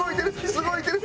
すごいいってる！